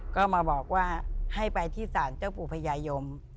ก็มาบอกว่าให้ไปที่ศาลเจ้าปู่พญายม